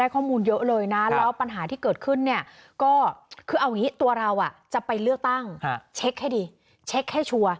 ข้อมูลภารกิจอย่างนี้แค่เช็คให้ดีเช็คให้ชัวร์